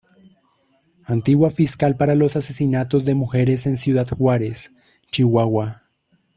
Antigua fiscal para los Asesinatos de Mujeres en Ciudad Juárez, Chihuahua.